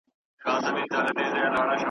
له اغیار به څه ګیله وي په جانان اعتبار نسته .